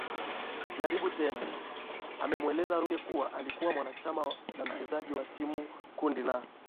jaribu tena amemuelezea Ruge kuwa alikuwa mwanachama na mchezaji wa timu ya kundi la